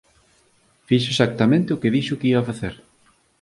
Fixo exactamente o que dixo que ía facer.